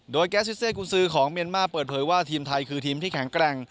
โดยแก๊สซิสเซกุญซือของเมียนมาร์เปิดเผยว่าทีมไทยคือทีมที่แข็งแกร่ง